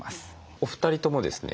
お二人ともですね